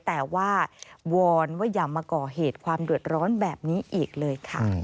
แต่ว่าวอนว่าอย่ามาก่อเหตุความเดือดร้อนแบบนี้อีกเลยค่ะ